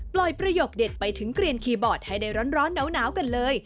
ประโยคเด็ดไปถึงเกลียนคีย์บอร์ดให้ได้ร้อนหนาวกันเลย